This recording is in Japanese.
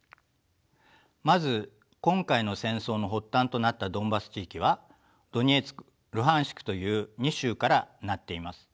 まず今回の戦争の発端となったドンバス地域はドネツクルハンシクという２州から成っています。